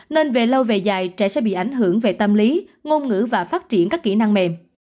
nên về lâu về dài trẻ sẽ bị ảnh hưởng về tâm lý ngôn ngữ và phát triển các kỹ năng mềm